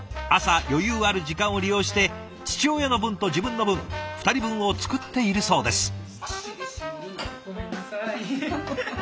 朝余裕ある時間を利用して父親の分と自分の分２人分を作っているそうです。